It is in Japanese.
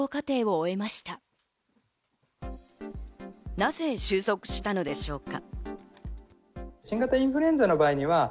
なぜ収束したのでしょうか。